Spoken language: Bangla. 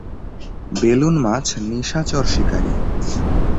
বেলুন মাছ নিশাচর শিকারি।